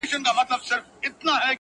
o د چلم سر، د پلو پاى!